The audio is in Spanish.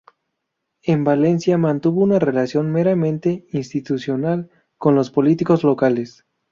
En Valencia mantuvo una relación meramente institucional con los políticos locales.